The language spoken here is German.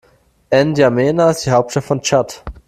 N’Djamena ist die Hauptstadt von Tschad.